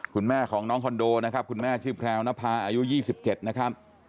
คุณแม่ของน้องคอนโดนะครับคุณแม่ชื่อแพรวนภาอายุ๒๗นะครับ